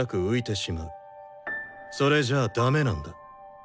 それじゃあダメなんだ。